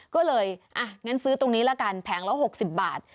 ก็เลยอ่ะงั้นซื้อตรงนี้ละกันแผงละ๖๐บาท